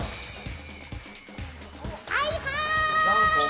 はいはーい。